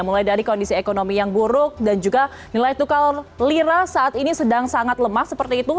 mulai dari kondisi ekonomi yang buruk dan juga nilai tukar lira saat ini sedang sangat lemah seperti itu